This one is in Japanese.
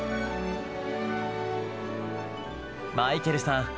マイケルさん